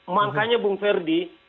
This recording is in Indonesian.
makanya bung ferdi